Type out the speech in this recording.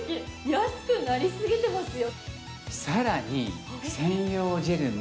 安くなりすぎてますよ。